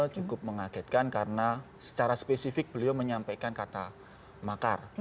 cukup mengagetkan karena secara spesifik beliau menyampaikan kata makar